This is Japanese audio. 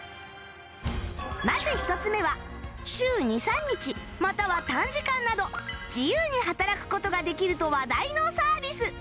まず１つ目は週２３日または短時間など自由に働く事ができると話題のサービス